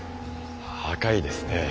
赤いですね。